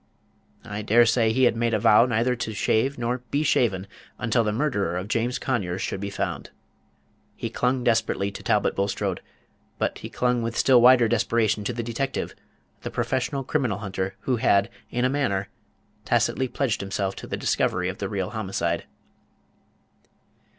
I dare say he had made a vow neither to shave nor be shaven until the murderer of James Conyers should be found. He clung desperately to Talbot Bulstrode, but he clung with still wilder desperation to the detective, the professional criminal hunter, who had, in a manner, tacitly pledged himself to the discovery of the real homicide.